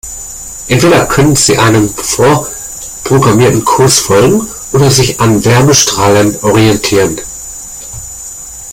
Entweder können sie einem vorprogrammierten Kurs folgen oder sich an Wärmestrahlern orientieren.